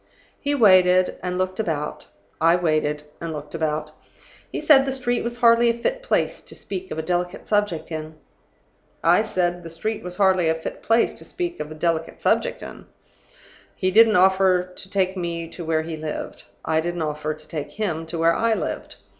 "He waited, and looked about. I waited, and looked about. He said the street was hardly a fit place to speak of a delicate subject in. I said the street was hardly a fit place to speak of a delicate subject in. He didn't offer to take me to where he lived. I didn't offer to take him to where I lived.